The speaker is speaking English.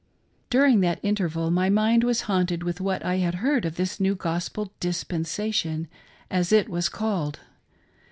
During that interval my mind was haunted with what I had heard of this new gos pel dispensation, as it was called.